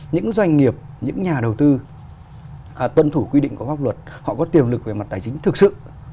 những doanh nghiệp những nhà đầu tư tuân thủ quy định của pháp luật họ có tiềm lực về mặt tài chính thực sự